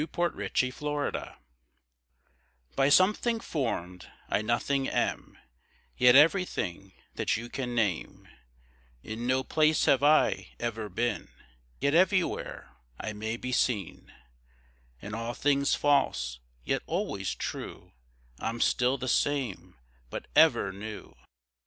ON A SHADOW IN A GLASS; By something form'd, I nothing am, Yet everything that you can name; In no place have I ever been, Yet everywhere I may be seen; In all things false, yet always true, I'm still the same but ever new.